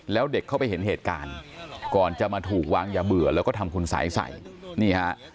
แล้วเด็กเข้าไปเห็นเหตุการณ์ก่อนจะมาถูกวางยาเบื่อแล้วก็ทำคุณสัยใส่นี่ฮะ